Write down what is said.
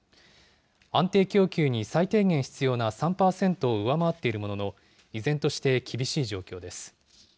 安定供給に最低限必要な３％を上回っているものの、依然として厳しい状況です。